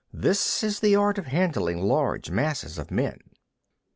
This is the art of handling large masses of men.